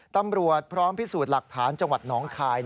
ตำรวจพร้อมพิสูจน์หลักฐานจังหวัดหนองคาย